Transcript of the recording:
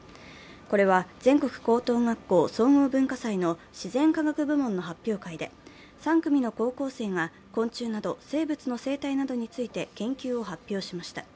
これは全国高等学校総合文化祭の自然科学部門の発表会で、３組の高校生が昆虫など生物の生態などについて研究を発表しました。